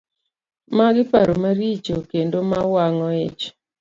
Magi paro maricho kendo ma wang'o ich.